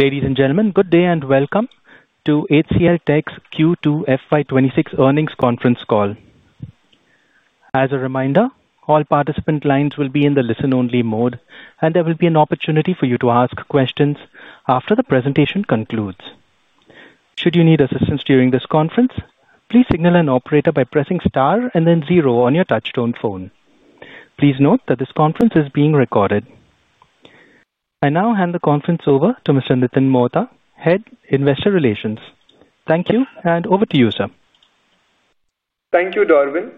Ladies and gentlemen, good day and welcome to HCLTech's Q2 FY26 earnings conference call. As a reminder, all participant lines will be in the listen only mode and there will be an opportunity for you to ask questions after the presentation concludes. Should you need assistance during this conference, please signal an operator by pressing Star and then zero on your touchtone phone. Please note that this conference is being recorded. I now hand the conference over to Mr. Nitin Mohta, Head Investor Relations. Thank you and over to you sir. Thank you, Darwin.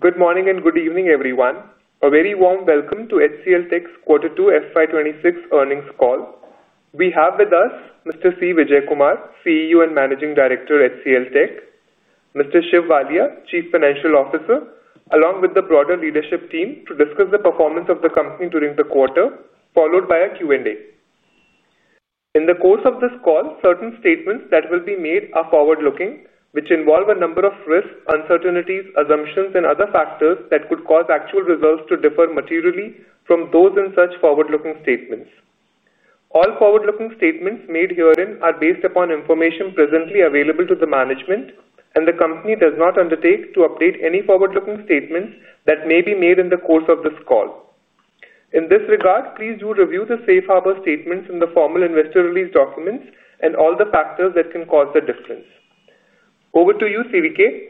Good morning and good evening everyone. A very warm welcome to HCLTech's Quarter two FY26 earnings call. We have with us Mr. C Vijayakumar, CEO and Managing Director at HCLTech, Mr. Shiv Walia, Chief Financial Officer, along with the broader leadership team to discuss the performance of the company during the quarter followed by a Q and A. In the course of this call, certain statements that will be made are forward looking, which involve a number of risks, uncertainties, assumptions, and other factors that could cause actual results to differ materially from those in such forward looking statements. All forward looking statements made herein are based upon information presently available to the management, and the company does not undertake to update any forward looking statements that may be made in the course of this call. In this regard, please do review the safe harbor statements in the formal investor release documents and all the factors that can cause the difference. Over to you, CVK.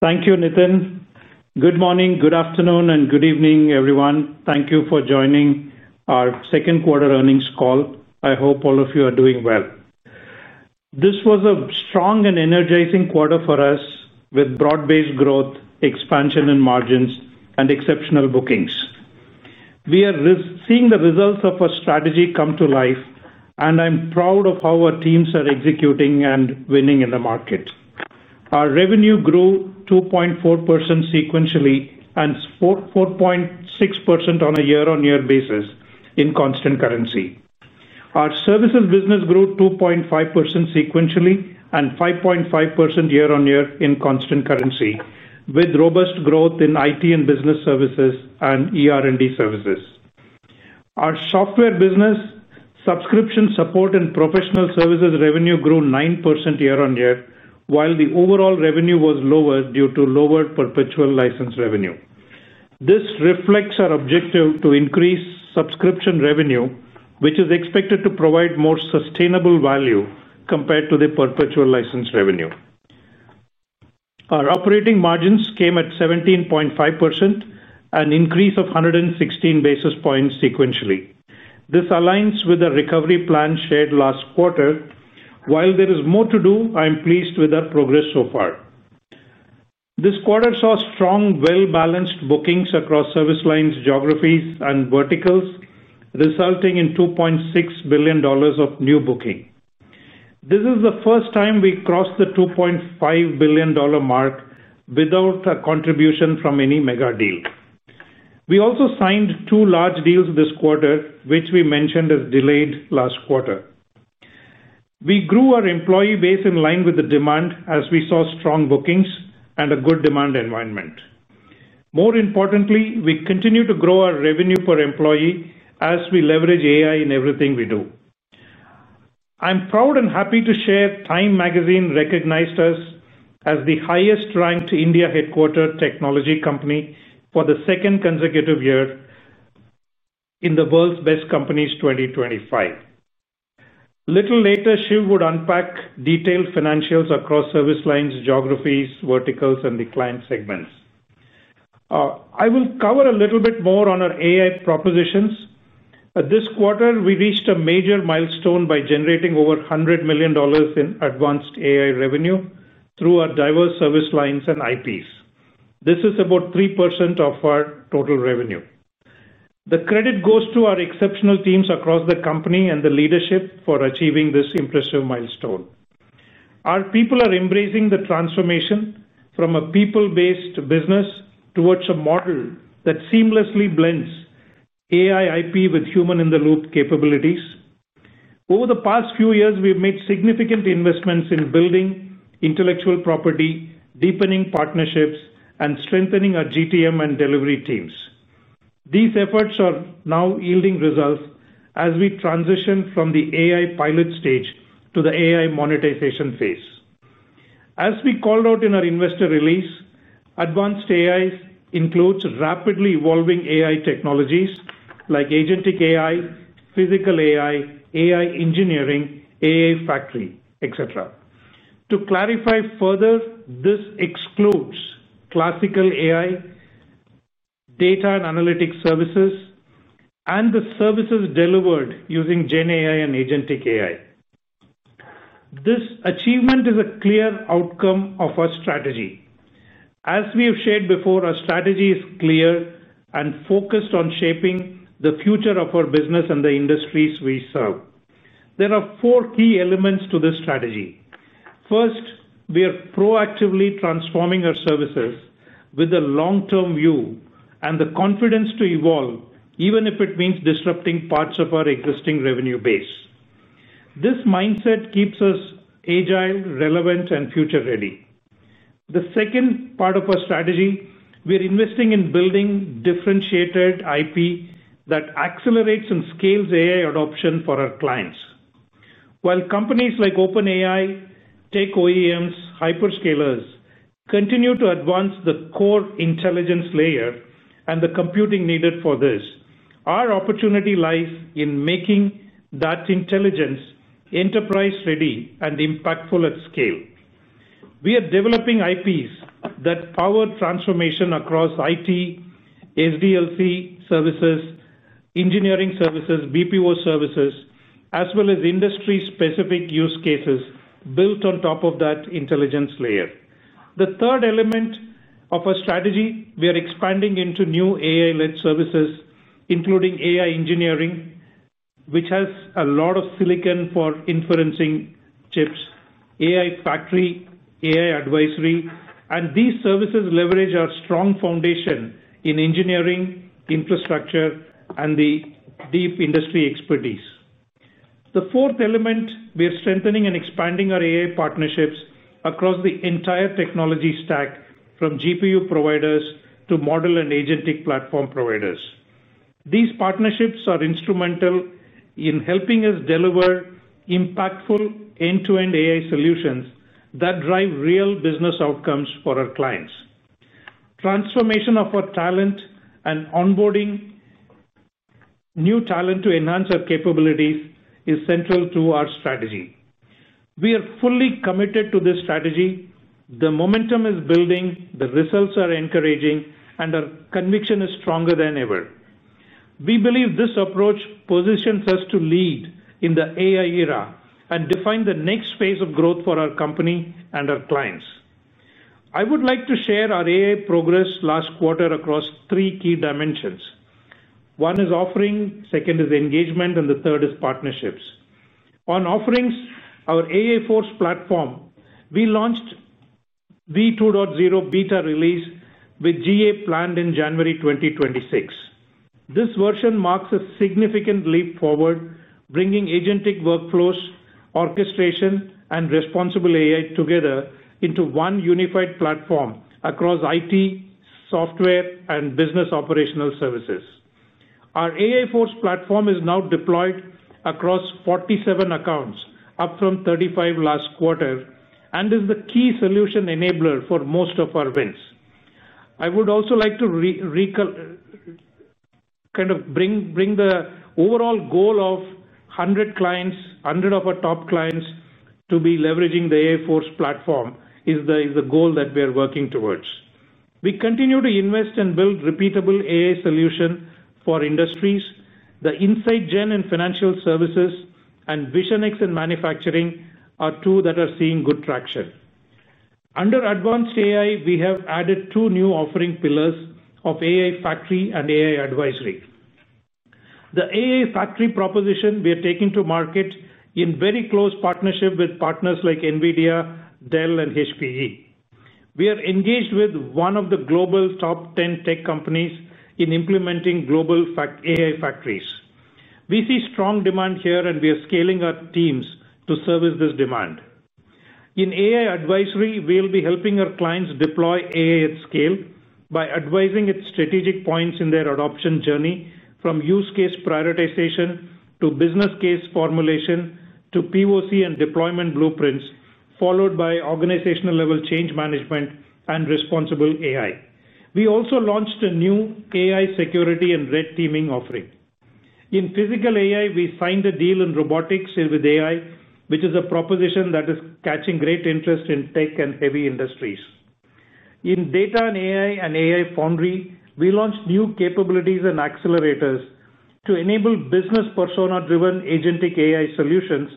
Thank you, Nitin. Good morning, good afternoon, and good evening, everyone. Thank you for joining our second quarter earnings call. I hope all of you are doing well. This was a strong and energizing quarter for us, with broad-based growth and expansion. In margins and exceptional bookings. We are seeing the results of our strategy come to life, and I'm proud of how our teams are executing and winning in the market. Our revenue grew 2.4% sequentially and 4.6% on a year-on-year basis in constant currency. Our services business grew 2.5% sequentially 5.5% year-on-year in Constant Currency with robust growth in IT and Business Services and Engineering and R&D Services. Our software business, subscription support and professional services revenue grew 9% year-on-year, while the overall revenue was lower due to lower Perpetual License revenue. This reflects our objective to increase Subscription revenue which is expected to provide more sustainable value compared to the Perpetual License revenue. Our operating margins came at 17.5%, an increase of 116 basis points sequentially. This aligns with the recovery plan shared last quarter. While there is more to do, I am pleased with our progress so far. This quarter saw strong, well-balanced bookings across service lines, geographies, and verticals, resulting in $2.6 billion of new booking. This is the first time we crossed the $2.5 billion mark without a contribution from any megadeal. We also signed two large deals this quarter, which we mentioned as delayed last quarter. We grew our employee base in line with the demand as we saw. Strong bookings and a good demand environment. More importantly, we continue to grow our revenue per employee as we leverage AI in everything we do. I'm proud and happy to share. TIME Magazine recognized us as the highest ranked India headquartered technology company for the second consecutive year in the World's Best Companies 2025. A little later, Shiv would unpack detailed financials across service lines, geographies, verticals, and the client segments. I will cover a little bit more on our AI propositions this quarter. We reached a major milestone by generating over $100 million in advanced AI revenue through our diverse service lines and IPs. This is about 3% of our total revenue. The credit goes to our exceptional teams across the company and the leadership for achieving this impressive milestone. Our people are embracing the transformation from a people-based business towards a model that seamlessly blends AI IP with human-in-the-loop capabilities. Over the past few years, we've made significant investments in building intellectual property, deepening partnerships, and strengthening our GTM and delivery teams. These efforts are now yielding results as we transition from the AI Pilot stage to the AI Monetization phase. As we called out in our investor release, Advanced AI includes rapidly evolving AI technologies like agentic AI, physical AI, AI engineering, AI Factory, etc. To clarify further, this excludes classical AI data and analytics services and the services delivered using GenAI and AgentIQ AI. This achievement is a clear outcome of our strategy. As we have shared before, our strategy is clear and focused on shaping the future of our business and the industries we serve. There are four key elements to this strategy. First, we are proactively transforming our services with a long-term view and the confidence to evolve even if it means disrupting parts of our existing revenue base. This mindset keeps us agile, relevant, and future-ready. The second part of our strategy, we are investing in building differentiated IP that accelerates and scales AI adoption for our clients. While companies like OpenAI, OEMs, and Hyperscalers continue to advance the core intelligence layer and the computing needed for this, our opportunity lies in making that intelligence enterprise. Ready and impactful at scale. We are developing IPs that power transformation across IT SDLC services, engineering services, BPO services, as well as industry-specific use cases built on top of that intelligence layer. The third element of our strategy, we are expanding into new AI-led services including AI Engineering, which has a lot of silicon for inferencing chips, AI Factory, AI Advisory, and these services leverage our strong foundation in engineering infrastructure and the deep industry expertise. The fourth element, we are strengthening and expanding our AI partnerships across the entire technology stack from GPU providers to model agentic platform providers. These partnerships are instrumental in helping us deliver impactful end-to-end AI solutions that drive real business outcomes for our clients. Transformation of our talent and onboarding new talent to enhance our capabilities is central to our strategy. We are fully committed to this strategy, the momentum is building, the results are encouraging, and our conviction is stronger than ever. We believe this approach positions us to lead in the AI era and define the next phase of growth for our company and our clients. I would like to share our AI progress last quarter across three key dimensions. One is offering, second is engagement, and the third is partnerships. On offerings, our AI Force platform, we launched v2.0 beta release with GA planned in January 2026. This version marks a significant leap forward, bringing agentic workflows, orchestration, and responsible AI together into one unified platform across IT Software and Business Operational services. Our AI Force platform is now deployed across 47 accounts, up from 35 last quarter, and is the key solution enabler for most of our wins. I would also like to kind of bring the overall goal of 100 clients, hundred of our top clients to be leveraging the AI Force platform is the goal that we are working towards. We continue to invest and build repeatable AI solutions for industries. The Insight Gen in financial services and VisionX in manufacturing are two that are seeing good traction under advanced AI. We have added two new offering pillars of AI Factory and AI Advisory. The AI Factory proposition we are taking to market in very close partnership with partners like NVIDIA, Dell, and HPE. We are engaged with one of the global top 10 tech companies in implementing global AI factories. We see strong demand here, and we are scaling our teams to service this demand. In AI Advisory, we will be helping our clients deploy AI at scale by advising at strategic points in their adoption journey from use case prioritization to business case formulation to POC and deployment blueprints, followed by organizational level change management and responsible AI. We also launched a new AI security and red teaming offering in physical AI. We signed a deal in robotics with AI, which is a proposition that is catching great interest in tech and heavy industries. In data and AI and AI foundry, we launched new capabilities and accelerators to enable business persona-driven agentic AI solutions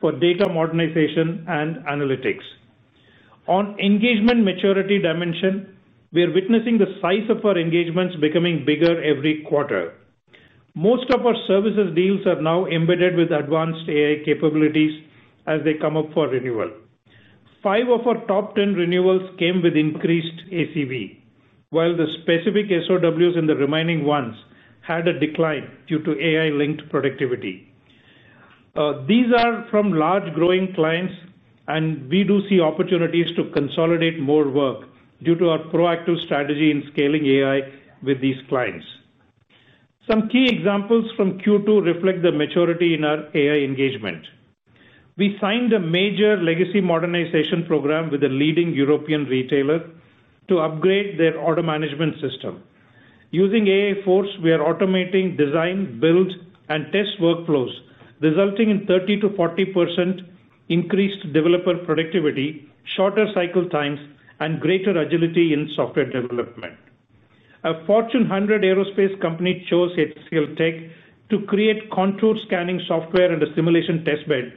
for data modernization and analytics. On engagement maturity dimension, we are witnessing the size of our engagements becoming bigger every quarter. Most of our services deals are now embedded with advanced AI capabilities as they come up for renewal. Five of our top 10 renewals came with increased ACV, while the specific SOWs in the remaining ones had a decline due to AI-linked productivity. These are from large growing clients, and we do see opportunities to consolidate more work due to our proactive strategy in scaling AI with these clients. Some key examples from Q2 reflect the maturity in our AI engagement. We signed a major legacy modernization program with a leading European retailer to upgrade their order management system. Using AI Force we are automating design, build, and test workflows resulting in 30-40% increased developer productivity, shorter cycle times, and greater agility in software development. A Fortune 100 aerospace company chose HCLTech to create contour scanning software and a simulation testbed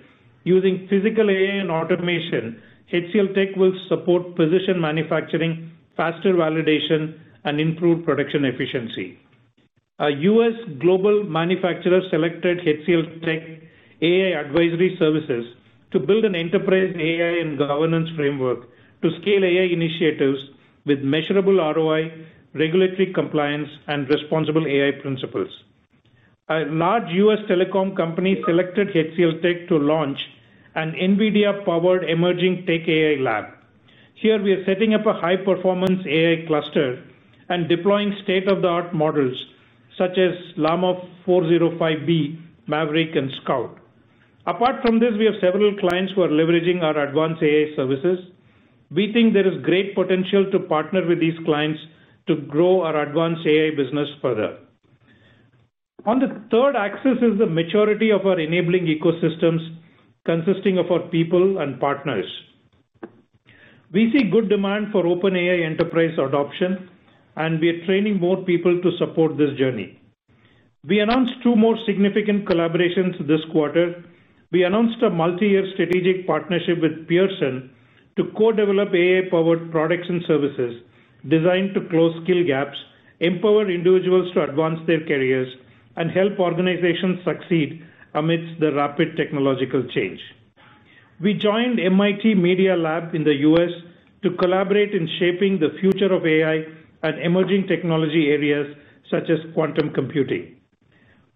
using physical AI and automation, and HCLTech will support precision manufacturing, faster validation, and improved production efficiency. A U.S. global manufacturer selected HCLTech AI Advisory Services to build an enterprise AI and governance framework to scale AI initiatives with measurable ROI, regulatory compliance, and responsible AI principles. A large U.S. telecom company selected HCLTech to launch an NVIDIA-powered Emerging Tech AI Lab. Here we are setting up a high-performance AI cluster and deploying state-of-the-art models such as Llama 405B, Maverick, and Scout. Apart from this, we have several clients who are leveraging our advanced AI services. We think there is great potential to partner with these clients to grow our advanced AI business further. On the third axis is the maturity of our enabling ecosystems consisting of our people and partners. We see good demand for OpenAI enterprise adoption, and we are training more people to support this journey. We announced two more significant collaborations this quarter. We announced a multi-year strategic partnership with Pearson to co-develop AI-powered products and services designed to close skill gaps, empower individuals to advance their careers, and help organizations succeed amidst the rapid technological change. We joined MIT Media Lab in the U.S. to collaborate in shaping the future of AI and emerging technology areas such as quantum computing.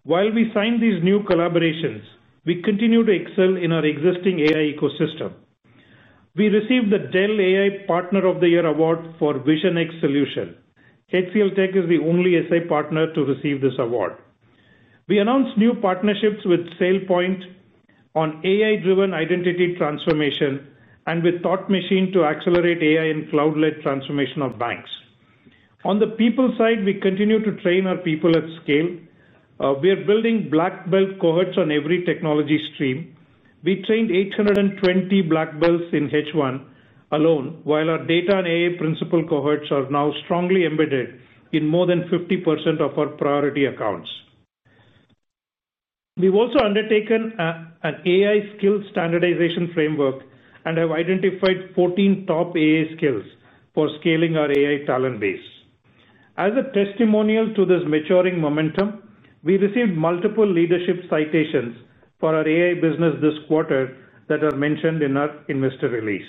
While we signed these new collaborations, we continue to excel in our existing AI ecosystem. We received the Dell AI Partner of the Year award for VisionX solution. HCLTech is the only SA partner to receive this award. We announced new partnerships with SailPoint on AI-driven Identity Transformation and with Thought Machine to accelerate AI and cloud-led transformation of banks. On the people side, we continue to train our people at scale. We are building black belt cohorts on every technology stream. We trained 820 black belts in H1 alone, while our data and AI principal cohorts are now strongly embedded in more than 50% of our priority accounts. We've also undertaken an AI skill standardization framework and have identified 14 top AI skills for scaling our AI talent base. As a testimonial to this maturing momentum, we received multiple leadership citations for our AI business this quarter that are mentioned in our investor release.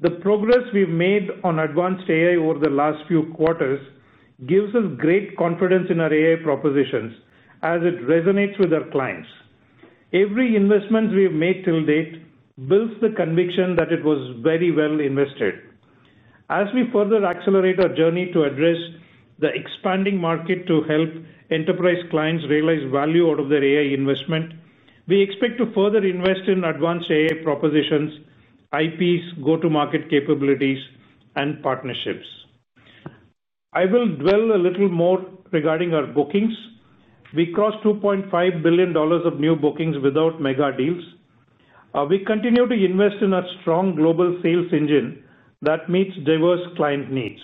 The progress we've made on advanced AI over the last few quarters gives us great confidence in our AI propositions as it resonates with our clients. Every investment we have made till date builds the conviction that it was very well invested. As we further accelerate our journey to address the expanding market to help enterprise clients realize value out of their AI investment, we expect to further invest in advanced AI propositions, IPs go to market. Capabilities and partnerships, I will dwell a little more regarding our bookings. We crossed $2.5 billion of new bookings without mega deals. We continue to invest in a strong global sales engine that meets diverse client needs.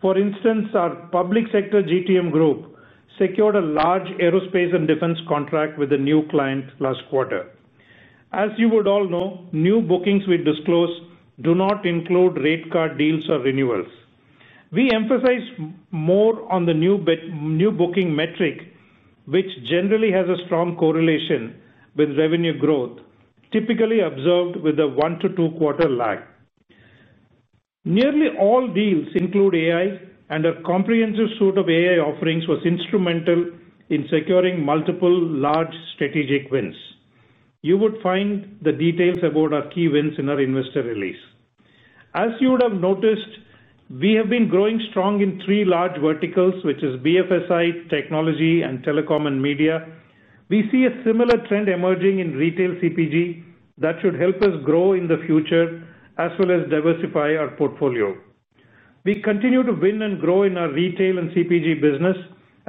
For instance, our Public Sector GTM Group secured a large aerospace and defense contract with a new client last quarter. As you would all know, new bookings we disclose do not include rate card deals or renewals. We emphasize more on the new booking metric, which generally has a strong correlation with revenue growth, typically observed with a one to two quarter lag. Nearly all deals include AI, and a comprehensive suite of AI offerings was instrumental in securing multiple large strategic wins. You would find the details about our key wins in our investor release. As you would have noticed, we have been growing strong in three large verticals, which are BFSI, Technology, and Telecom and Media. We see a similar trend emerging in Retail CPG that should help us grow in the future as well as diversify our portfolio. We continue to win and grow in our Retail and CPG business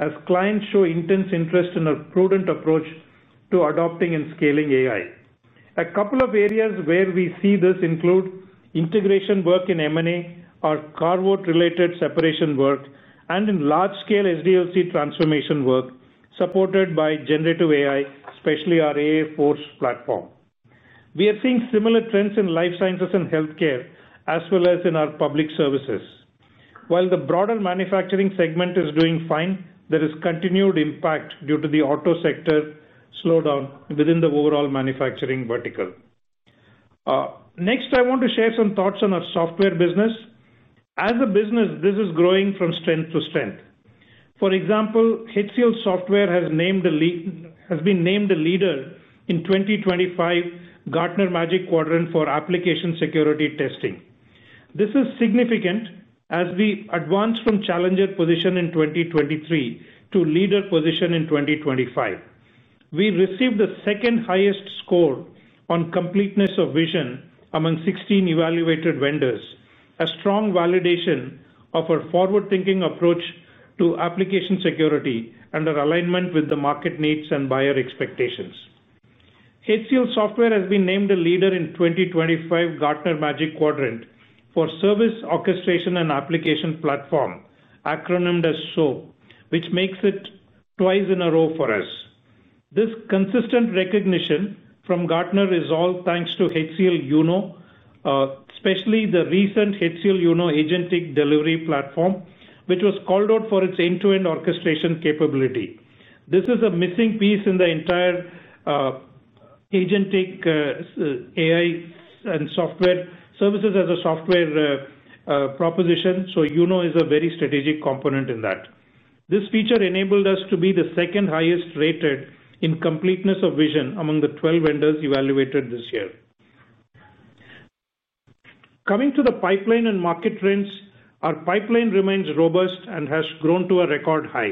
as clients show intense interest in our prudent approach to adopting and scaling AI. A couple of areas where we see this include integration work in M&A or carve-out related separation work and in large-scale SDLC transformation work supported by generative AI, especially our AI Force platform. We are seeing similar trends in Life Sciences and Healthcare as well as in our Public Services. While the broader Manufacturing segment is doing fine, there is continued impact due to the auto sector slowdown within the overall manufacturing vertical. Next I want to share some thoughts on our software business as a business. This is growing from strength to strength. For example, HCL Software has been named a leader in the 2025 Gartner Magic Quadrant for application security testing. This is significant as we advance from Challenger position in 2023 to Leader position in 2025. We received the second highest score on Completeness of Vision among 16 evaluated vendors, a strong validation of our forward-thinking approach to application security and our alignment with the market needs and buyer expectations. HCL Software has been named a leader in the 2025 Gartner Magic Quadrant for Service Orchestration and Application Platform, which makes it twice in a row for us. This consistent recognition from Gartner is all thanks to HCL Uno, especially the recent HCL Uno agentic delivery platform, which was called out for its end-to-end orchestration capability. This is a missing piece in the entire agent. Take AI and software services as a software proposition, so you know is a very strategic component in that. This feature enabled us to be the second highest rated in Completeness of Vision among the 12 vendors evaluated this year. Coming to the pipeline and market trends, our pipeline remains robust and has grown to a record high,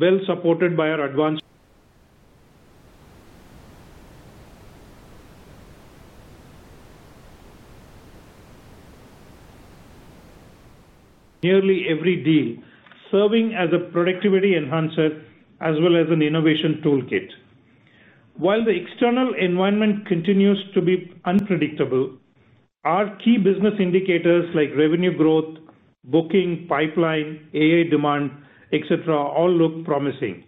well supported by our advanced, nearly every deal serving as a productivity enhancer as well as an innovation toolkit. While the external environment continues to be unpredictable, our key business indicators like revenue growth, booking, pipeline, AI demand, etc., all look promising.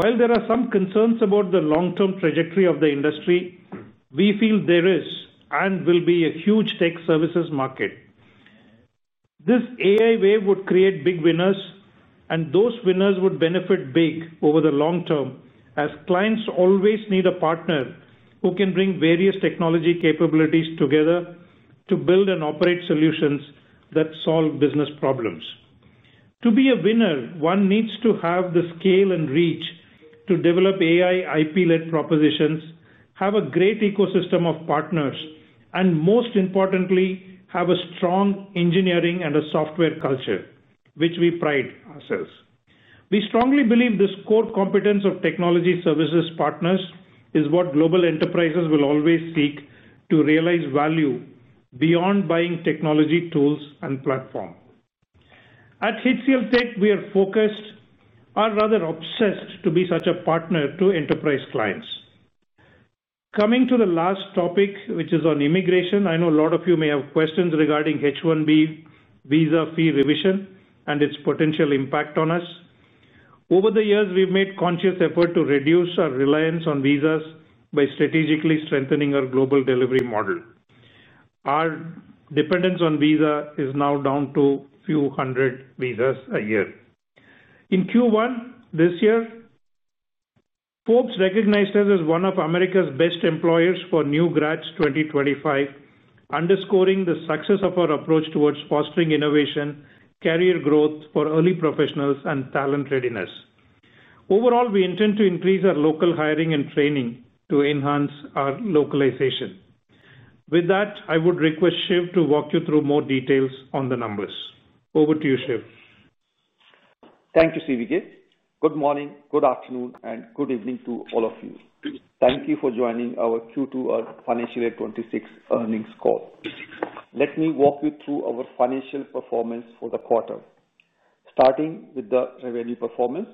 While there are some concerns about the long term trajectory of the industry, we feel there is and will be a huge tech services market. This AI wave would create big winners and those winners would benefit big over the long term as clients always need a partner who can bring various technology capabilities together to build and operate solutions that solve business problems. To be a winner, one needs to have the scale and reach to develop AI IP led propositions, have a great ecosystem of partners, and most importantly have a strong engineering and a software culture which we pride ourselves. We strongly believe this core competence of technology services partners is what global enterprises will always seek to realize value beyond buying technology tools and platform. At HCLTech we are focused, are rather obsessed, to be such a partner to enterprise clients. Coming to the last topic which is on immigration, I know a lot of you may have questions regarding H1B visa fee revision and its potential impact on us. Over the years we've made conscious effort to reduce our reliance on visas by strategically strengthening our global delivery model. Our dependence on visa is now down to a few hundred visas a year in Q1. This year Forbes recognized us as one of America's Best Employers for New Grads 2025, underscoring the success of our approach towards fostering innovation, career growth for early professionals and talent readiness. Overall, we intend to increase our local hiring and training to enhance our localization. With that, I would request Shiv to walk you through more details on the numbers. Over to you, Shiv. Thank you, CVK. Good morning, good afternoon, and good evening to all of you. Thank you for joining our Q2 Financial Year 2026 earnings call. Let me walk you through our financial performance for the quarter, starting with the revenue performance.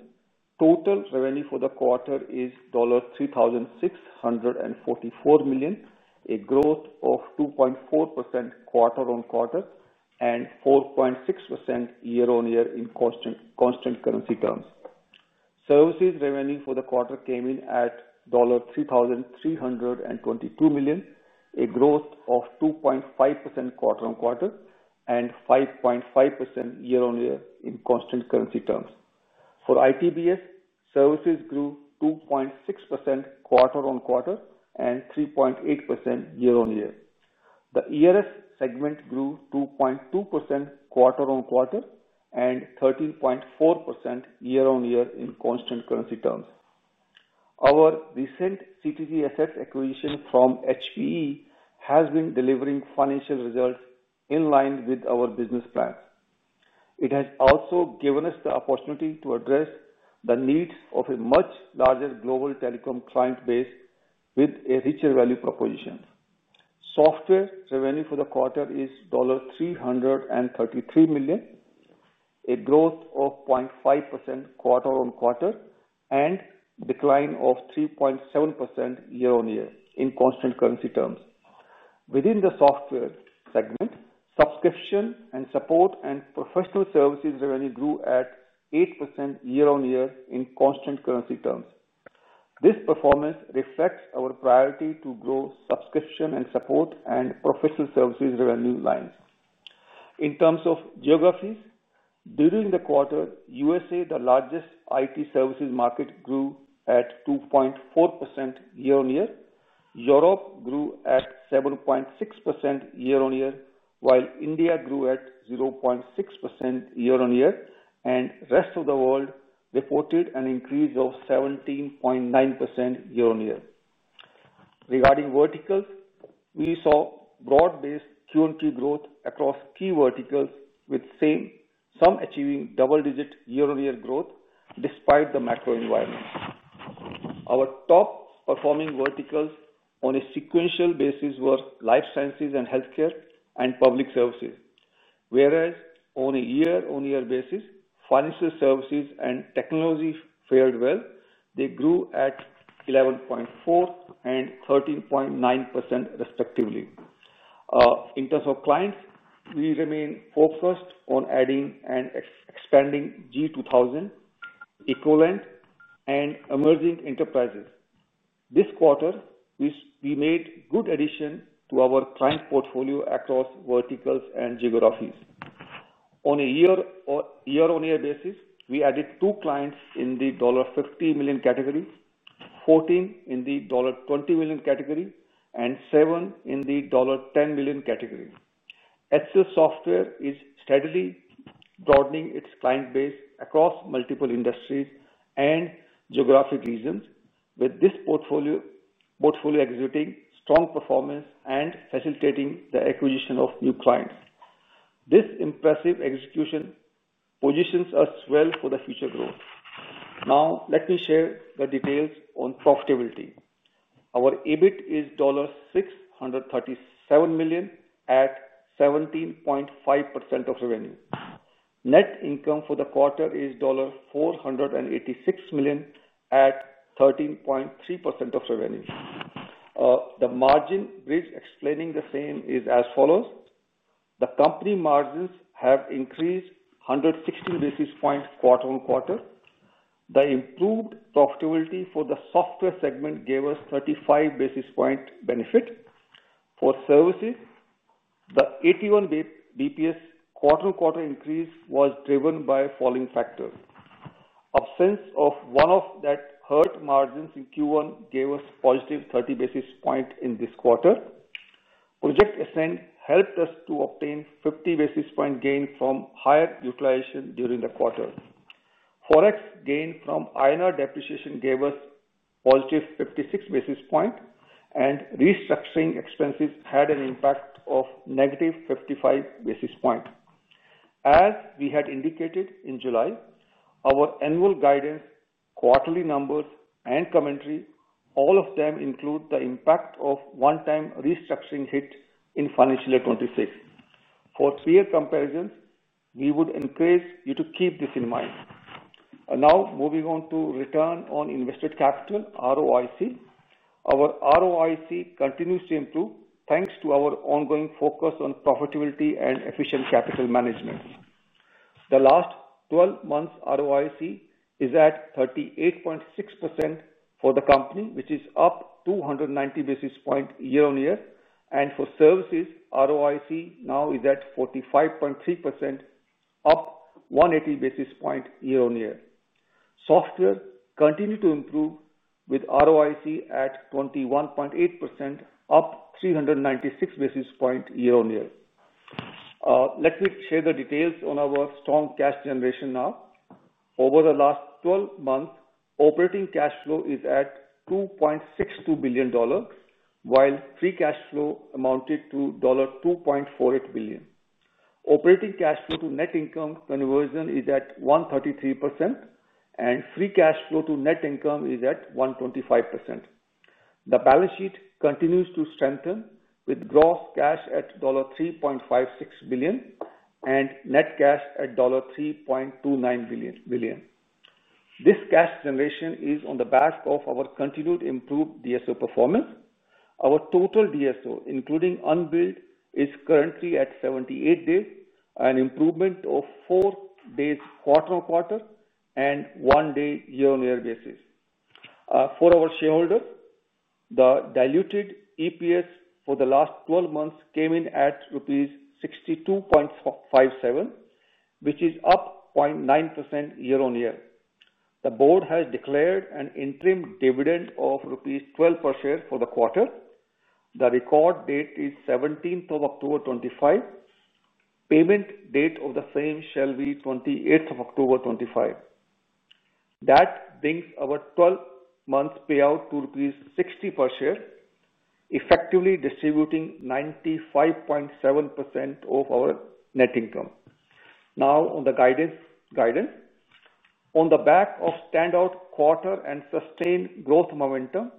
Total revenue for the quarter is $3.644 million, a growth of 2.4% quarter-on-quarter and 4.6% year-on-year in constant currency terms. Services revenue for the quarter came in at $3.322 million, a growth of 2.5% quarter-on-quarter and 5.5% year-on-year in constant currency terms. For IT and Business Services, services grew 2.6% quarter-on-quarter and year-on-year. the engineering and R&D Services segment grew 2.2% quarter-on-quarter and 13.4% year-on-year in constant currency terms. Our recent CTG assets acquisition from HPE has been delivering financial results in line with our business plans. It has also given us the opportunity to address the needs of a much larger global telecom client base with a richer value proposition. Software revenue for the quarter is $333 million, a growth of 0.5% quarter-on-quarter and a decline of 3.7% year-on-year in constant currency terms. Within the software segment, subscription and support and professional services revenue grew at 8% year-on-year in constant currency terms. This performance reflects our priority to grow subscription and support and professional services revenue lines. In terms of geographies during the quarter, USA, the largest IT services market, grew at 2.4% year-on-year, Europe grew at 7.6% year-on-year, while India grew at 0.6% year-on-year, and rest of the world reported an increase of 17.9% year-on-year. Regarding verticals, we saw broad-based quarter-on-quarter growth across key verticals, with some achieving double-digit year-on-year growth despite the macro environment. Our top performing verticals on a sequential basis were life sciences and healthcare and public services, whereas on a year-on-year basis, financial services and technology fared well. They grew at 11.4% and 13.9%, respectively. In terms of clients, we remain focused on adding and expanding G2000 equivalent and emerging enterprises. This quarter, we made good addition to our client portfolio across verticals and geographies. On a year-on-year basis, we added two clients in the $50 million category, 14 in the $20 million category, and seven in the $10 million category. HCL Software is steadily broadening its client base across multiple industries and geographic regions, with this portfolio exhibiting strong performance and facilitating the acquisition of new clients. This impressive execution positions us well for the future growth. Now let me share the details on profitability. Our EBIT is $637 million at 17.5% of revenue. Net income for the quarter is $486 million at 13.3% of revenue. The margin bridge explaining the same is as follows. The company margins have increased 116 basis points quarter-on-quarter. The improved profitability for the software segment gave us 35 basis points benefit for services. The 81 basis quarter-on-quarter increase was driven by falling factor absence of one of that hurt margins in Q1 gave us positive 30 basis points in this quarter. Project Ascend helped us to obtain 50 basis points gain from higher utilization during the quarter. Forex gain from INR depreciation gave us positive 56 basis points and restructuring expenses had an impact of negative 55 basis points. As we had indicated in July, our annual guidance, quarterly numbers and commentary, all of them include the impact of one-time restructuring hit in financial accounting sales for three year comparisons. We would encourage you to keep this in mind. Now moving on to return on invested capital, ROIC. Our ROIC continues to improve thanks to our ongoing focus on profitability and efficient capital management. The last 12 months ROIC is at 38.6% for the company, which is up 290 basis points year-on-year. For services, ROIC now is at 45.3%, up 180 basis points year-on-year. Software continues to improve with ROIC at 21.8%, up 396 basis points year-on-year. Let me share the details on our strong cash generation now. Over the last 12 months, operating cash flow is at $2.62 billion while free cash flow amounted to $2.48 billion. Operating cash flow to net income conversion is at 133% and free cash flow to net income is at 125%. The balance sheet continues to strengthen with gross cash at $3.56 billion and net cash at $3.29 billion. This cash generation is on the back of our continued improved DSO performance. Our total DSO including unbilled is currently at 78 days, an improvement of 4 days quarter-on-quarter and 1 day year-on-year basis. For our shareholders, the diluted EPS for the last 12 months came in at rupees 62.57, which is up 0.9% year-on-year. The board has declared an interim dividend of rupees 12 per share for the quarter. The record date is 17th of October 2025. Payment date of the same shall be 28th of October 2025. That brings our 12 month payout to rupees 60 per share, effectively distributing 95.7% of our net income. Now on the guidance, on the back of standout quarter and sustained growth momentum,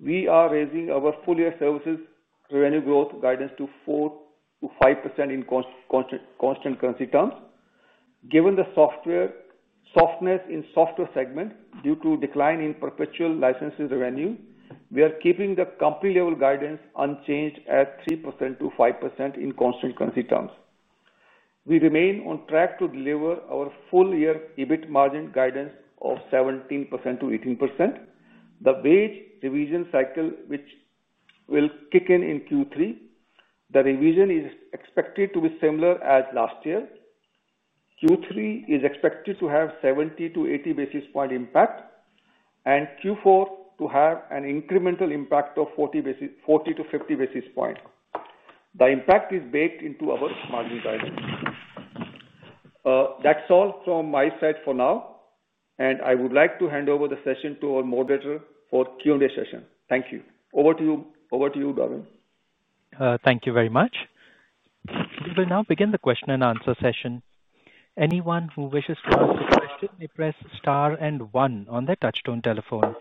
we are raising our full year services revenue growth guidance to 4%-5% in constant currency terms. Given the softness in software segment due to decline in perpetual licenses revenue, we are keeping the company level guidance unchanged at 3%-5% in constant currency terms. We remain on track to deliver our full year EBIT margin guidance of 17%-18%. The wage revision cycle will kick in in Q3. The revision is expected to be similar as last year. Q3 is expected to have 70-80 basis points impact and Q4 to have an incremental impact of 40-50 basis points. The impact is baked into our margin guidance. That's all from my side for now and I would like to hand over the session to our moderator for Q and A session. Thank you. Over to you, Darwin. Thank you very much. We will now begin the question and answer session. Anyone who wishes to ask a question, please press star and one on their touch tone telephone.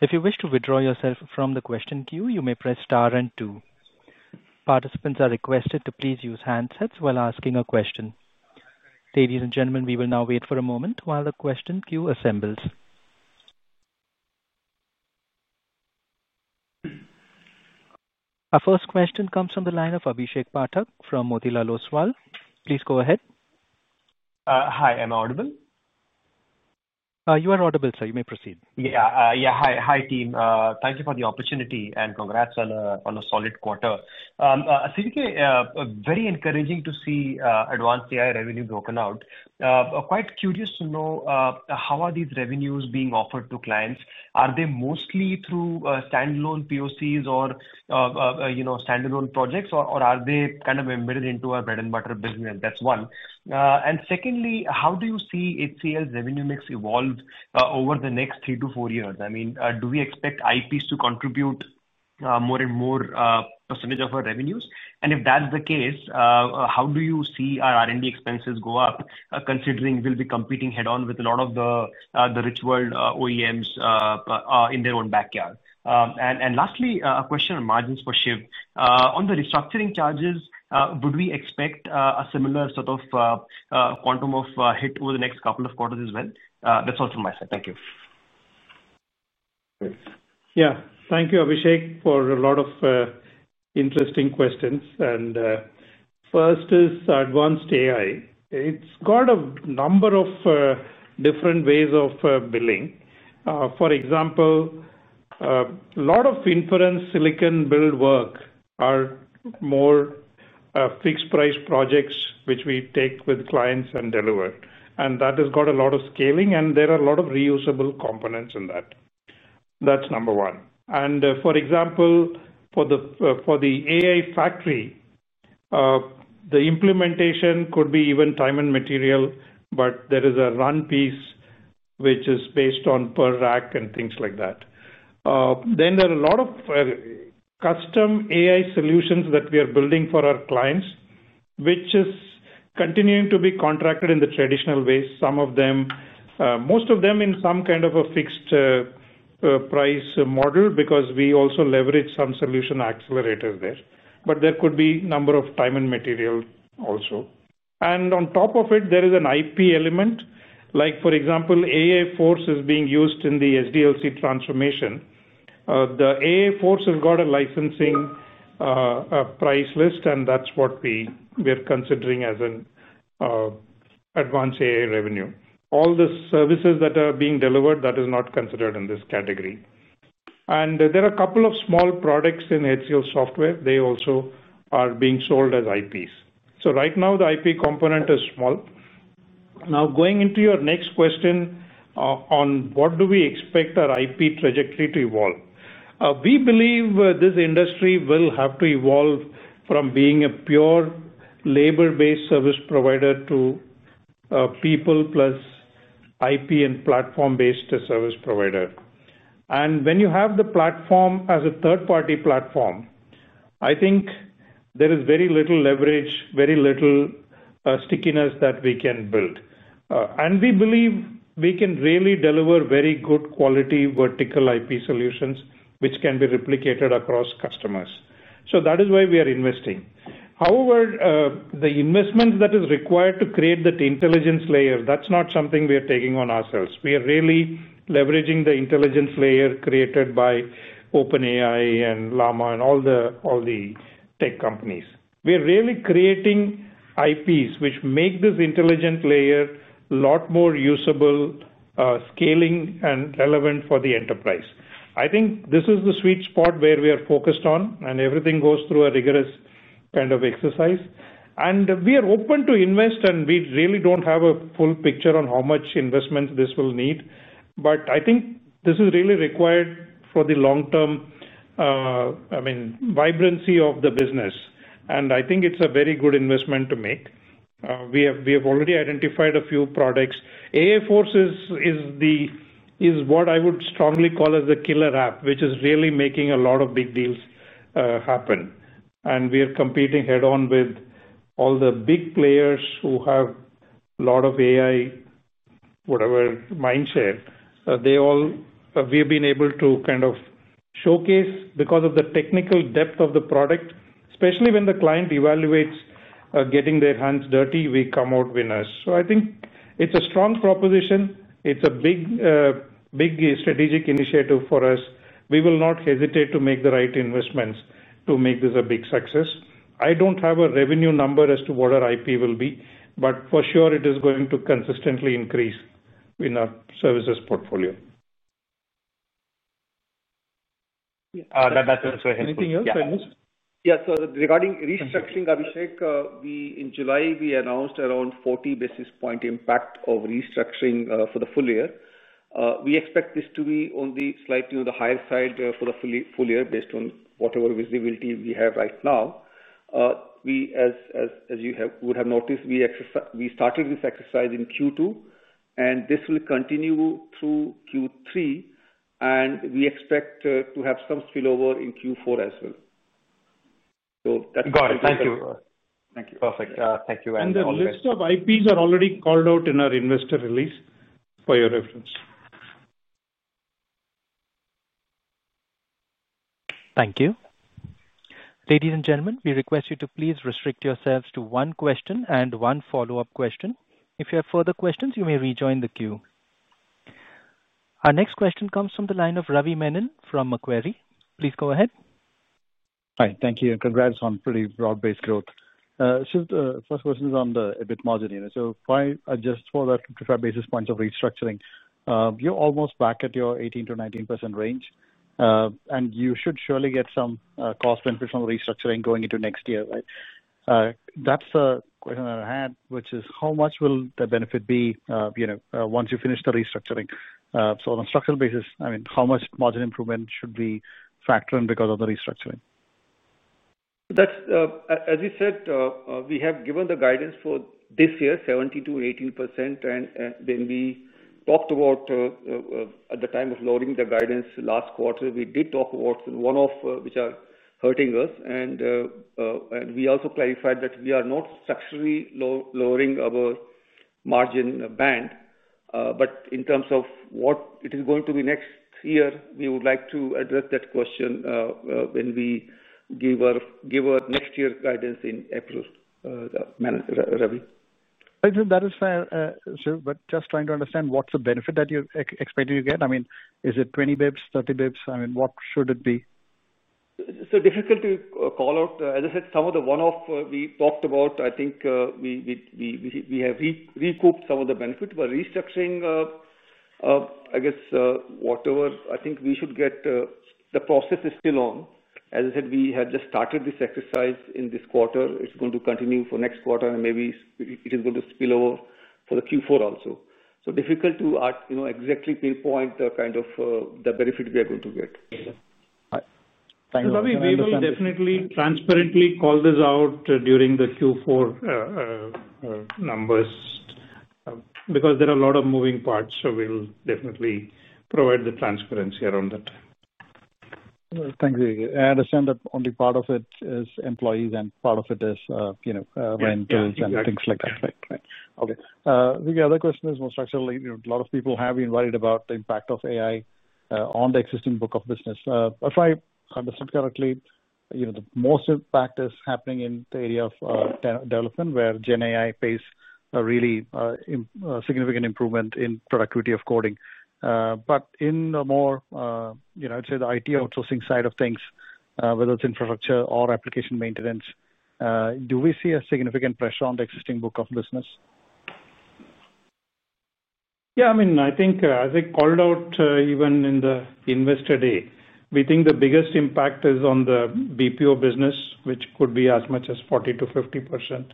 If you wish to withdraw yourself from the question queue, you may press star and two. Participants are requested to please use handsets while asking a question. Ladies and gentlemen, we will now wait for a moment while the question queue assembles. Our first question comes from the line of Abhishek Pathak from Motilal Oswal. Please go ahead. Hi, I'm audible. You are audible, sir. You may proceed. Yeah. Hi team. Thank you for the opportunity, and congrats on a solid quarter. CVK, very encouraging to see advanced AI revenue broken out quite curious to know how are these revenues being offered to clients? Are they mostly through standalone PoCs or standalone projects, or are they kind of embedded into our bread and butter business? That's one. Secondly, how do you see HCLTech's revenue mix evolve over the next three to four years? I mean, do we expect IPs to contribute more and more % of our revenues? If that's the case, how do you see our R&D expenses go up considering we'll be competing head on with a lot of the rich world OEMs in their own backyard. Lastly, a question on margins for Shiv on the restructuring charges. Would we expect a similar sort of quantum of hit over the next couple of quarters as well? That's all from my side. Thank you. Yeah, thank you, Abhishek, for a lot of interesting questions. First is advanced AI. It's got a number of different ways of billing. For example, a lot of inference silicon build work are more fixed price projects which we take with clients and delivery. That has got a lot of scaling, and there are a lot of reusable components in that. That's number one. For example, for the AI Factory. The implementation could be even time material, but there is a run piece which is based on per rack and things like that. There are a lot of custom AI solutions that we are building for our clients, which is continuing to be contracted in the traditional ways. Some of them, most of them, in some kind of a fixed price model because we also leverage some solution accelerators there. There could be a number of time and material also. There is an IP element like, for example, AI Factory. Force platform is being used in the SDLC transformation. The AI Force platform has got a licensing price list and that's what we are considering as an advanced AI revenue. All the services that are being delivered, that is not considered in this category. There are a couple of small products in HCL Software, they also are being sold as IPs. Right now, the IP component is small. Now going into your next question on what do we expect our IP trajectory to evolve, we believe this industry will have to evolve from being a pure labor-based service provider to people plus IP and platform-based service provider. When you have the platform as a third party platform, I think there is very little leverage, very little stickiness that we can build. We believe we can really deliver very good quality vertical IP solutions, which can be replicated across customers. That is why we are investing. However, the investments that is required to create that intelligence layer, that's not something we are taking on ourselves. We are really leveraging the intelligence layer created by OpenAI and all the tech companies. We are really creating IPs, which make this intelligent layer is a lot more usable, scalable, and relevant for the enterprise. I think this is the sweet spot where we are focused on, everything goes through a rigorous kind of exercise. We are open to invest. We really don't have a full picture on how much investments this will need. I think this is really required. For the long term, I mean vibrancy of the business, and I think it's a very good investment to make. We have already identified a few products. AI Force is what I would strongly call as the killer app, which is really making a lot of big deals happen. We are competing head on with all the big players who have a lot of AI, whatever mindshare they all have, we have been able to kind of showcase because of the technical depth of the product. Especially when the client evaluates getting their hands dirty, we come out winners. I think it's a strong proposition. It's a big, big strategic initiative for us. We will not hesitate to make the right investments to make this a big success. I don't have a revenue number as to what our IP will be, but for sure it is going to consistently increase in our services portfolio. Anything else I missed? Yeah. Regarding restructuring, Abhishek, in July we announced around 40 basis point impact of restructuring for the full year. We expect this to be only slightly on the higher side for the full year based on whatever visibility we have right now. As you would have noticed, we started this exercise in Q2 and this will continue through Q3, and we expect to have some spillover in Q4 as well. Got it. Thank you. Perfect. Thank you. The list of IPs are already called out in our investor release for your reference. Thank you. Ladies and gentlemen, we request you to please restrict yourselves to one question and one follow-up question. If you have further questions, you may rejoin the queue. Our next question comes from the line of Ravi Menon from Macquarie. Please go ahead. Hi, thank you and congrats on pretty broad-based growth. First question is on the EBIT margin. If you adjust for that basis points of restructuring, you're almost back at your 18-19% range and you should surely get some cost benefit from restructuring going into next year. That's a question that I had, which is how much will the benefit be once you finish the restructuring? On a structural basis, how much margin improvement should we factor in because of the restructuring? As we said, we have given the guidance for this year 17%-18%. We talked about at the time of lowering the guidance last quarter, we did talk about one-offs which are hurting us, and we also clarified that we are not structurally lowering our margin band. In terms of what it is going to be next year, we would like to address that question when we give our next year guidance in April. Ravi, that is fair, just trying. To understand what's the benefit that you expect to get, I mean, is it 20 bps, 30 bps? I mean, what should it be? Difficult to call out. As I said, some of the one-off we talked about. I think we have recouped some of the benefit by restructuring. I guess whatever I think we should get, the process is still on. As I said, we had just started this exercise in this quarter. It's going to continue for next quarter and maybe it is going to spill over for Q4 also. Difficult to exactly pinpoint the kind of benefit we are going to get. Thank you. We will definitely transparently call this out. During the Q4 numbers, because there are a lot of moving parts, we'll definitely provide the transparency around that. Thank you. I understand that only part of it is employees and part of it is, you know, rentals and things like that. Okay. The other question is most actually a lot of people have been worried about the impact of AI on the existing book of business. If I understood correctly, the most impact is happening in the area of development where GenAI pays a really significant improvement in productivity of coding. In the more I'd say the IT outsourcing side of things, whether it's infrastructure or application maintenance, do we see a significant pressure on the existing book of business? Yeah, I mean I think as I called out even in the investor day, we think the biggest impact is on the BPO business, which could be as much as 40 to 50%.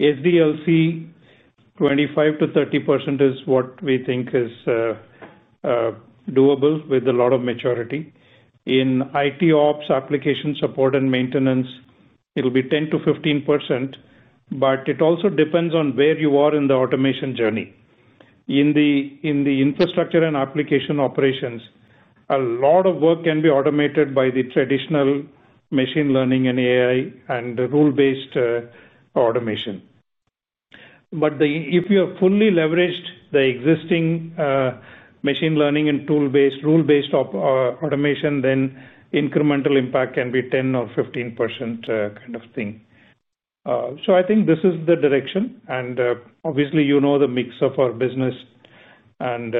SDLC, 25 to 30% is what we think is doable. With a lot of maturity in IT ops, application support and maintenance, it'll be 10 to 15%. It also depends on where you are in the automation journey in the infrastructure and application operations. A lot of work can be automated by the traditional machine learning and AI and rule-based automation. If you have fully leveraged the existing machine learning and tool-based, rule-based automation, the incremental impact can be 10% or 15% kind of thing. I think this is the direction. Obviously, you know the mix of our business and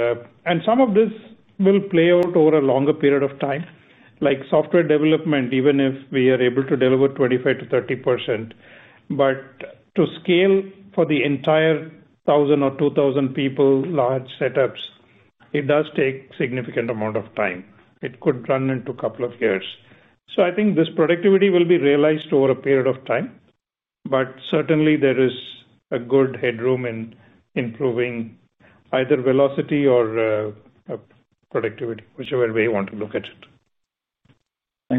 some of this will play out over a longer period of time like software development. Even if we are able to deliver 25%-30%, to scale for the entire 1,000 or 2,000 people, large setups, it does take significant amount of time. It could run into a couple of years. I think this productivity will be realized over a period of time. There is a good headroom in improving either velocity or productivity, whichever way you want to look at it.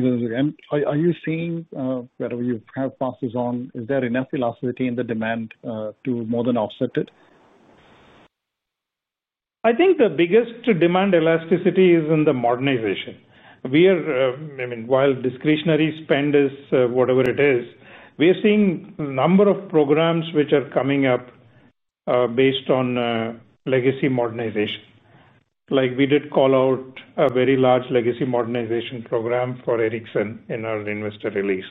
Thanks. Are you seeing wherever you have passes on, is there enough velocity in the demand to more than offset it? I think the biggest demand elasticity is in the modernization. While discretionary spend is whatever it is, we are seeing a number of programs which are coming up based on legacy modernization. Like we did call out a very large legacy modernization program for Ericsson in our investor release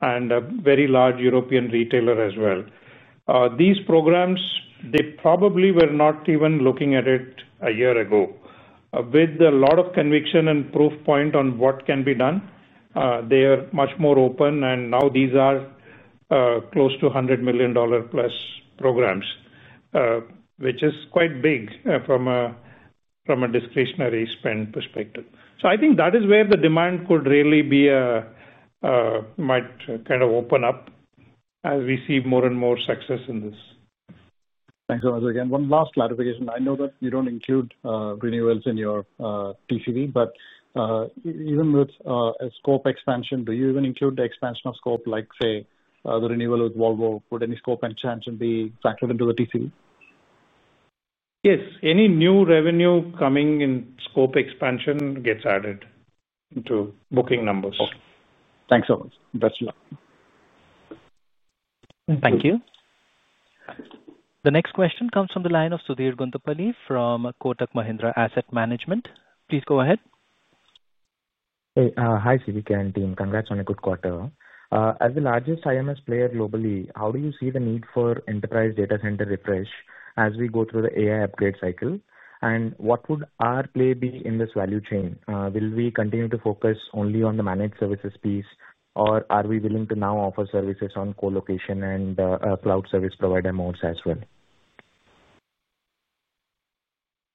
and a very large European retailer as well. These programs, they probably were not even. Looking at it a year ago with a lot of conviction and proof point. On what can be done. They are much more open and now these are close to $100 million plus programs, which is quite big from a discretionary spend perspective. I think that is where the. Demand could really be kind of open up as we see more and more success in this. Thanks again. One last clarification. I know that you don't include renewals in your TCV, but even with a scope expansion, do you even include the expansion of scope like say the renewal of Volvo? Would any scope expansion be factored into the TCV? Yes, any new revenue coming in scope. Expansion gets added to booking numbers. Thanks so much. Thank you. The next question comes from the line of Sudheer Guntupalli from Kotak Mahindra Asset Management. Please go ahead. Hi CVK and team. Congrats on a good quarter. As the largest IMS player globally, how do you see the need for enterprise data center refresh as we go through the AI upgrade cycle? What would our play be in this value chain? Will we continue to focus only on the managed services piece, or are we willing to now offer services on colocation and cloud service provider modes as well?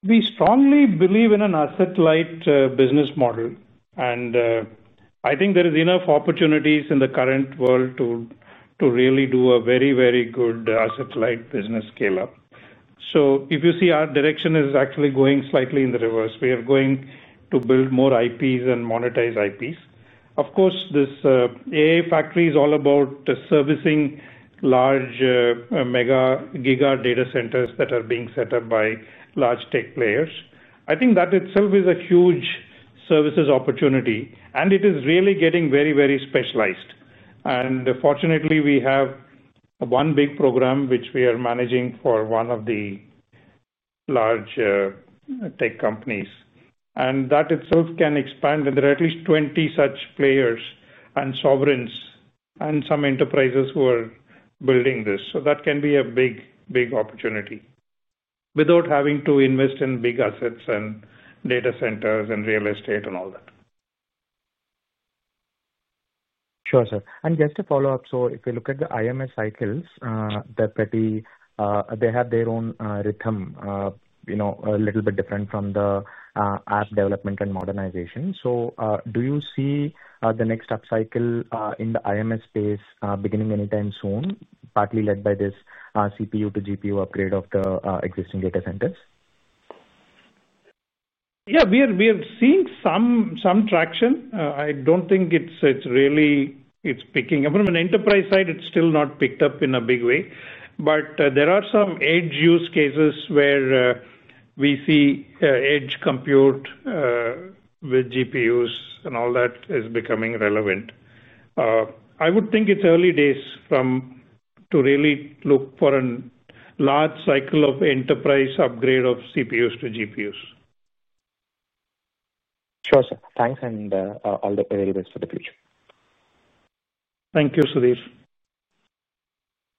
We strongly believe in an asset-light approach. Business model, and I think there is enough opportunities in the current world to really do a very, very good asset-light business scale up. If you see our direction, it is actually, going slightly in the reverse, we are going to build more IPs and monetize IPs. Of course, this AI Factory is all about servicing large mega giga data centers that are being set up by large tech players. I think that itself is huge. Services opportunity and it is really getting very, very specialized. Fortunately, we have one big program which we are managing for one of the large tech companies and that itself can expand. There are at least 20 such players and sovereigns and some enterprises who are building this. That can be a big, big opportunity without having to invest in big assets and data centers and real estate and all that. Sure sir. If you look at the IMS cycles, they have their own rhythm, a little bit different from the app development and modernization. Do you see the next upcycle in the IMS space beginning anytime soon, partly led by this CPU to GPU upgrade of the existing data centers? Yeah, we are seeing some traction. I don't think it's really picking up from an enterprise side, it's still not picked up in a big way, but there are some edge. Use cases where we see edge compute with GPUs and all that is becoming relevant. I would think it's early days to really look for a large cycle of enterprise upgrade of CPUs to GPUs. Sure sir. Thanks, and all the very best for the future. Thank you, Sudheer.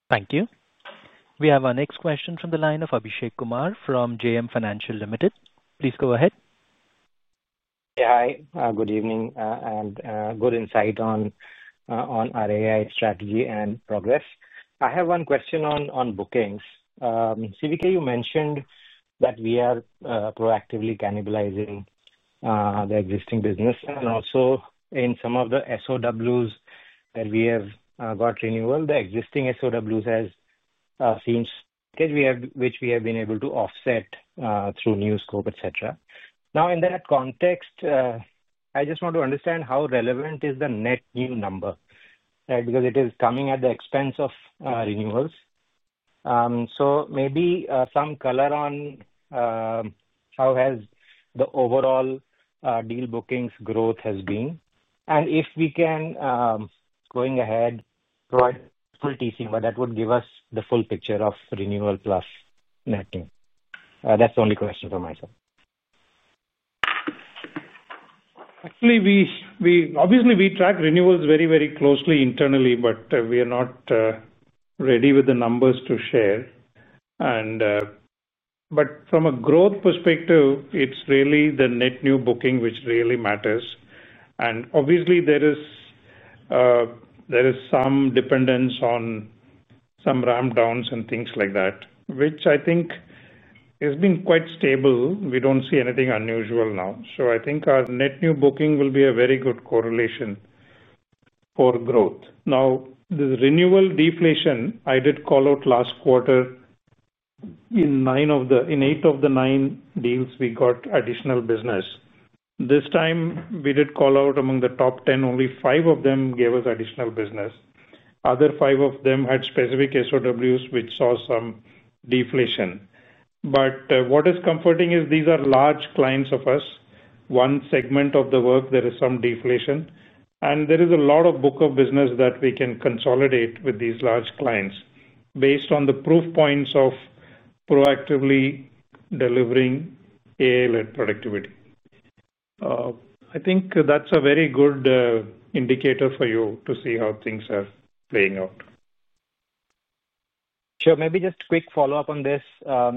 Thank you. We have our next question from the line of Abhishek Kumar from JM Financial Limited. Please go ahead. Hi, good evening and good insight on our AI strategy and progress. I have one question on bookings. You mentioned that we are proactively cannibalizing the existing business and also in some of the SOWs that we have got renewal, the existing SOWs have seen which we have been able to offset through new scope, etc. In that context, I just want to understand how relevant is the net new number because it is coming at the expense of renewals. Maybe some color on how has the overall deal bookings growth has been and if we can, going ahead, provide full TCMA that would give us the full picture of renewal plus netting. That's the only question for myself. Actually. Obviously, we track renewals very, very closely. Internally, but we are not ready with the numbers to share. From a growth perspective, it's really the net new booking which really matters, and obviously there is some dependence on some ramp downs and things like that, which I think has been quite stable. We don't see anything unusual now. I think our net new booking will be a very good quarter correlation for growth. This renewal deflation I did call out last quarter; in eight of the nine deals, we got additional business. This time, we did call out among the top 10, only five of them gave us additional business. The other five of them had specific SOWs which saw some deflation. What is comforting is these are large clients of us. One segment of the work, there is some deflation, and there is a lot of book of business that we can consolidate with these large clients. Based on the proof points of proactively delivering AI-led productivity, I think that's a very good indicator for you to see how things are playing out. Sure. Maybe just a quick follow up on this. Our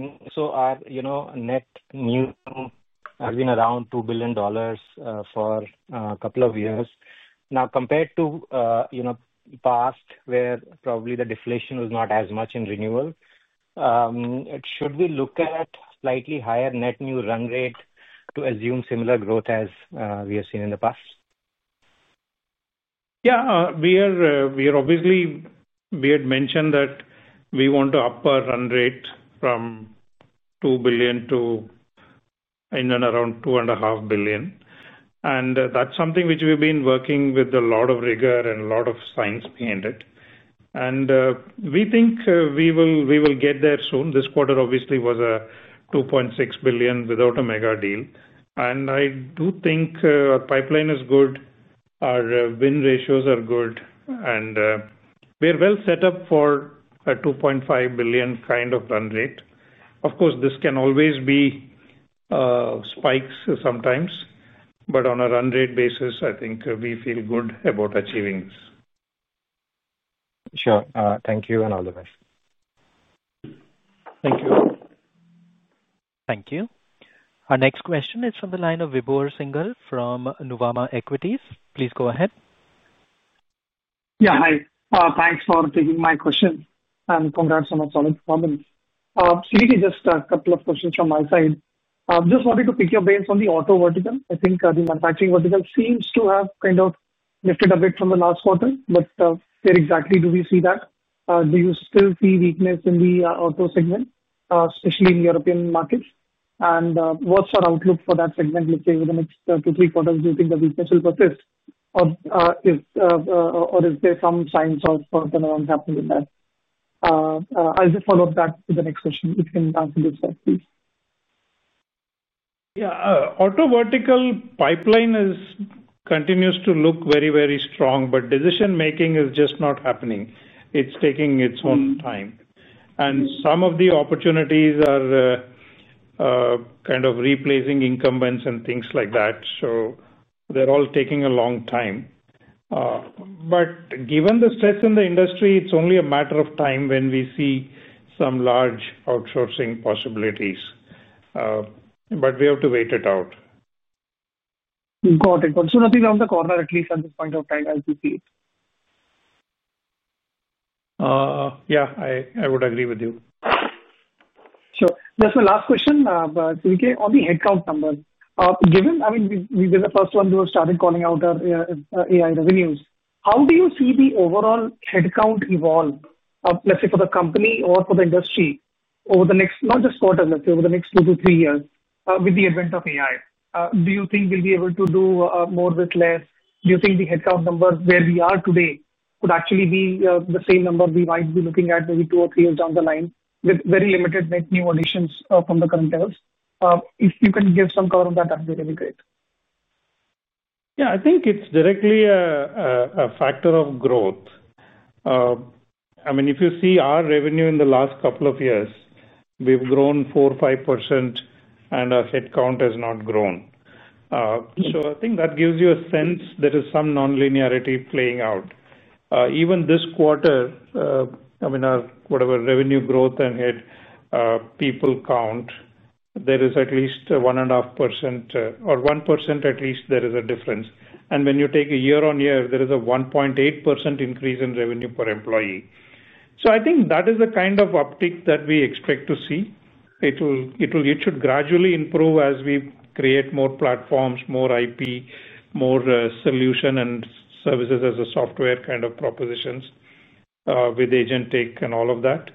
net new has been around $2 billion for a couple of years now compared to, you know, past where probably the deflation was not as much in renewal. Should we look at slightly higher net new run rate to assume similar growth as we have seen in the past? Yeah, we are. Obviously, we had mentioned that we want. To up our run rate from $2 billion to in and around $2.5 billion. That's something which we've been working with a lot of rigor and a lot of science behind it, and we think we will get there soon. This quarter obviously was a $2.6 billion without a mega deal. I do think our pipeline is good, our win ratios are good, and we are well set up for a $2.5 billion kind of run rate. Of course, this can always be spikes sometimes, but on a run rate basis, I think we feel good about achieving this. Sure. Thank you and all the best. Thank you. Thank you. Our next question is from the line of Vibhor Singhal from Nuvama Equities. Please go ahead. Yeah, hi. Thanks for taking my question and congrats on the solid performance. CVK, just a couple of questions from my side. Just wanted to pick your base on the auto vertical. I think the manufacturing vertical seems to have kind of lifted a bit from the last quarter. Where exactly do we see that? Do you still see weakness in the auto segment, especially in European markets? What's your outlook for that segment, let's say over the next two, three quarters, do you think the weakness will. Persist. Is there some signs of turnaround happening in that? I'll just follow up that with the next question. If you can answer this please. Yeah. Auto vertical pipeline continues to look very. Very strong, but decision making is just not happening. It's taking its own time, and some of the opportunities are kind of replacing incumbents and things like that. They're all taking a long time. Given the stress in the industry, it's only a matter of time when. We see some large outsourcing possibilities, but we have to wait it out. Got it, So, round the corner, at least at this point of time, as you see it. Yeah, I would agree with you. Sure. That's my last question on the headcount numbers given. I mean we were the first one who started calling out our AI revenues. How do you see the overall headcount evolve, let's say for the company or for the industry over the next, not just quarter, let's say over the next two to three years with the advent of AI? Do you think we'll be able to do more with less? Do you think the headcount number where we are today would actually be the same number? We might be looking at maybe two or three years down the line with very limited net new additions from the current levels. If you can give some color on that, that would be really great. Yeah, I think it's directly a factor of growth. I mean, if you see our revenue in the last couple of years, we've grown 4%-5% and our headcount has not grown. I think that gives you a sense there is some non-linearity playing out even this quarter. I mean our whatever revenue growth and hit people count, there is at least 1.5% or 1% at least there is a difference. When you take a year-on-year, there is a 1.8% increase in revenue per employee. I think that is the kind of uptick that we expect to see. It should gradually improve as we create more platforms, more IP, more solution and services as a software kind of propositions with agent take and all of that.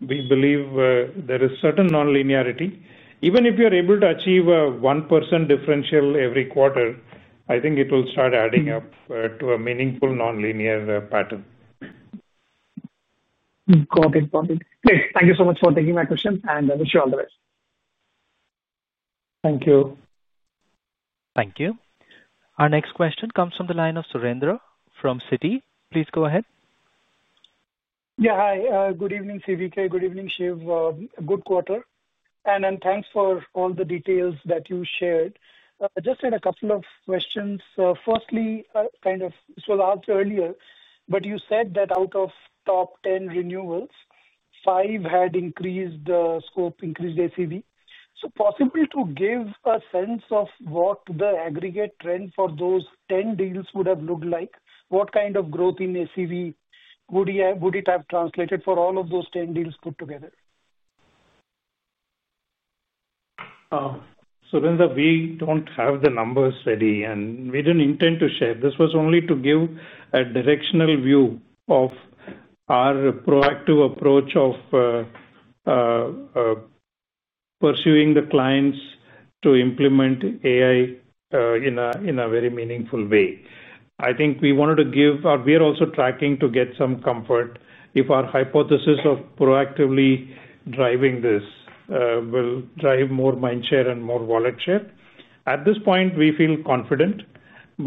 We believe there is certain non-linearity. Even if you are able to achieve a 1% differential every quarter, I think it will start adding up to a meaningful nonlinear pattern. Got it. Great. Thank you so much for taking my question, and I wish you all the best. Thank you. Thank you. Our next question comes from the line of Surendra from Citi. Please go ahead. Yeah. Hi, good evening C. Vijayakumar. Good evening Shiv. Good quarter and thanks for all the details that you shared. Just had a couple of questions. Firstly, this was asked earlier, but you said that out of top 10 renewals, 5 had increased, the scope increased ACV. Is it possible to give a sense of what the aggregate trend for those 10 deals would have looked like? What kind of growth in ACV would it have translated for all of those 10 deals put together? Surendra, we don't have the numbers ready, and we didn't intend to share. This was only to give a directional view of our proactive approach of pursuing the clients to implement AI in a very meaningful way. I think we wanted to give. We are also tracking to get some comfort if our hypothesis of proactively driving this will drive more mindshare and more wallet share. At this point, we feel confident.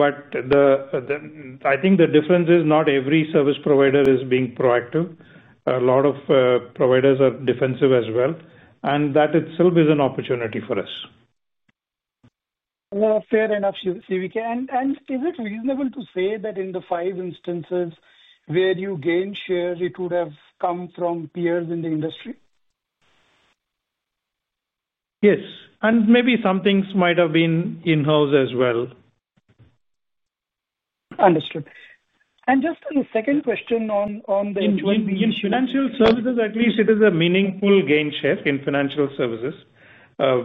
I think the difference is not every service provider is being proactive. A lot of providers are defensive as well, and that itself is an opportunity for us. Fair enough, CVK. Is it reasonable to say that in the five instances where you gain shares, it would have come from peers in the industry? Yes. Maybe some things might have been in house as well. Understood. Just the second question on the. In financial services at least, it is a meaningful gain share. In financial services,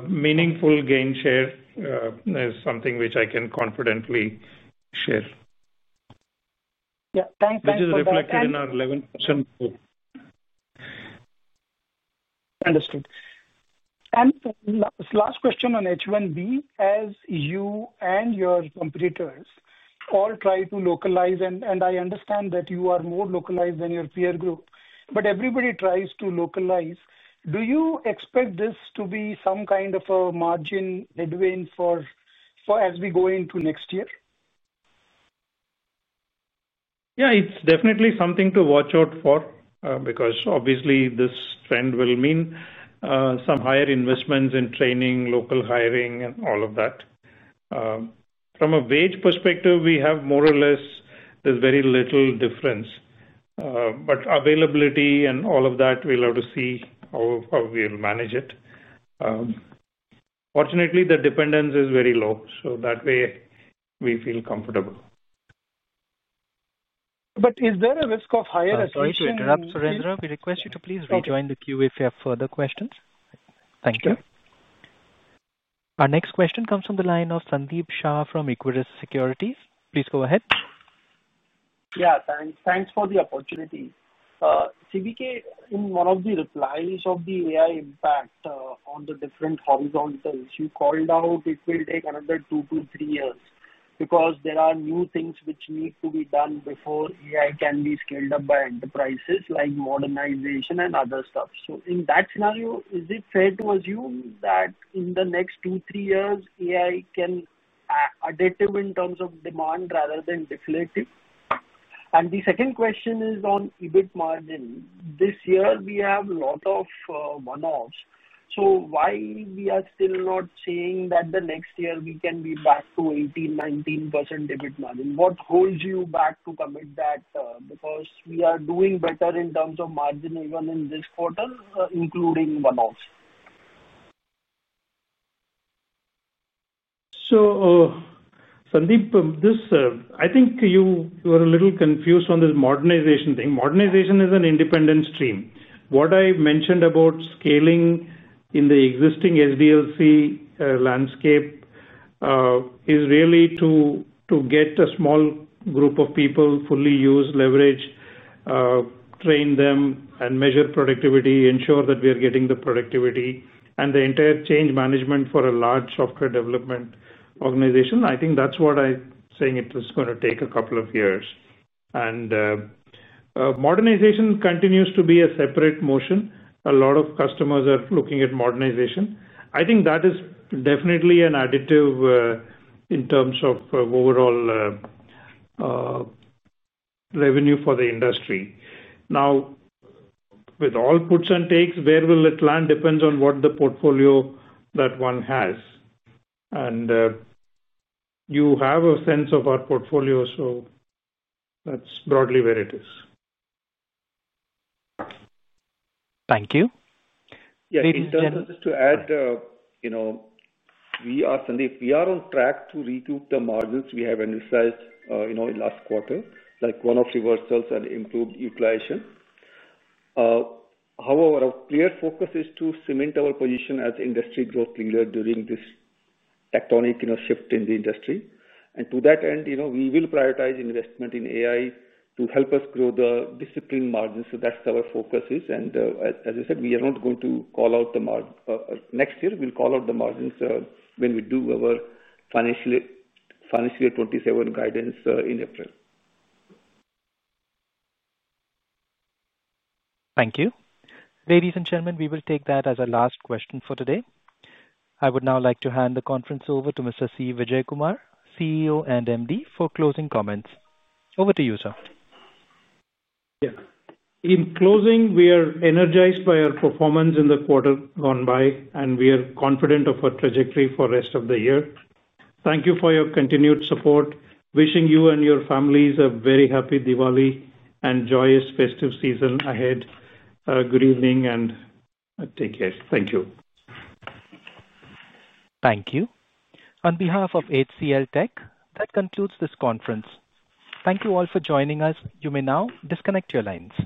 meaningful gain share is something which I can confidently share. Thank you. Which is reflected in our 11%. Understood. Last question on H1B, as you and your competitors all try to localize, and I understand that you are more localized than your peer group, but everybody tries to localize. Do you expect this to be some kind of a margin headwind as we go into next year? Yeah, it's definitely something to watch out for. Because obviously this trend will mean some higher investments in training, local hiring, and all of that. From a wage perspective, we have more. There's very little difference. Availability and all of that, we'll have to see how we will manage it. Fortunately, the dependence is very low. That way we feel comfortable. Is there a risk of higher? Sorry to interrupt. Surendra, we request you to please rejoin the queue if you have further questions. Thank you. Our next question comes from the line of Sandeep Shah from Equirus Securities. Please go ahead. Yeah, thanks. Thanks for the opportunity. CVK, in one of the replies on the AI impact on the different horizontals, you called out it will take another two to three years because there are new things which need to be done before AI can be scaled up by enterprises like modernization and other stuff. In that scenario, is it fair to assume that in the next 2, 3 years AI can be addictive in terms of demand rather than definitive? The second question is on EBIT margin. This year we have a lot of one-offs, so why are we still not seeing that next year we can be back to 18-19% EBIT margin? What holds you back to commit that? Because we are doing better in terms of margin even in this quarter, including one-offs. Sandeep, I think you are a little confused on this modernization thing. Modernization is an independent stream. What I mentioned about scaling in the existing SDLC landscape is really to get. A small group of people fully used, leverage, train them and measure productivity, ensure that we are getting the productivity and the entire change management for a large software development organization. I think that's what I am saying. It is going to take a couple of years, and modernization continues to be a separate motion. A lot of customers are looking at modernization. I think that is definitely an additive. In terms of overall revenue for the industry. Now, with all puts and takes, where will it land? depends on what the portfolio that one has. You have a sense of our portfolio, so that's broadly where it is. Thank you. To add, you know, we are on track to recoup the margins we have initialized in last quarter like one-off reversals and improved utilization. However, our clear focus is to cement our position as industry growth leader during this tectonic shift in the industry. To that end, we will prioritize investment in AI to help us grow the disciplined margins. That's our focus and as I said, we are not going to call out the margin next year. We'll call out the margins when we do our financial year 2027 guidance in April. Thank you, ladies and gentlemen. We will take that as our last question for today. I would now like to hand the conference over to Mr. C. Vijayakumar, CEO and MD, for closing comments. Over to you, sir. Yeah. In closing, we are energized by our. Performance in the quarter gone by. We are confident of our trajectory. Rest of the year. Thank you for your continued support. Wishing you and your families a very. Happy Diwali and joyous festive season ahead. Good evening and take care. Thank you. Thank you. On behalf of HCLTech, that concludes this conference. Thank you all for joining us. You may now disconnect your lines.